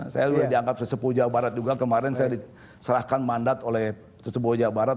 saya sudah dianggap sesepuh jawa barat juga kemarin saya diserahkan mandat oleh sesepuh jawa barat